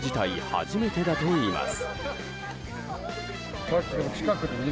初めてだといいます。